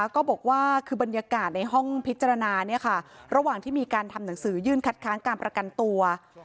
ก็บอกว่าคือบรรยากาศในห้องพิจารณาระหว่างที่มีการทำหนังสือยื่นคัดค้างการประกันตัว